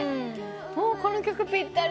もうこの曲ぴったり。